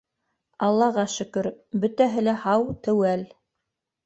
— Аллаға шөкөр, бөтәһе лә һау, теүәл.